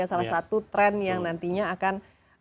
salah satu tren yang nantinya akan